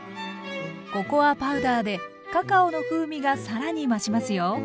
ココアパウダーでカカオの風味が更に増しますよ。